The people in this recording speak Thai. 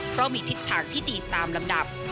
เพราะมีทิศทางที่ดีตามลำดับ